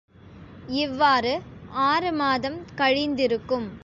இவ்வாறு ஆறு மாதம் கழிந்திருக்கும்.